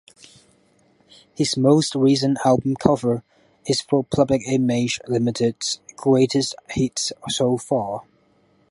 His most recent album cover is for Public Image Limited's "Greatest Hits So Far".